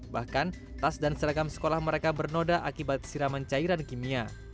bahkan tas dan seragam sekolah mereka bernoda akibat siraman cairan kimia